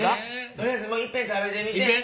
とりあえずもういっぺん食べてみて。